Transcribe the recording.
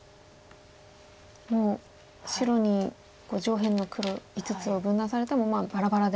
もう白に上辺の黒５つを分断されてもバラバラで。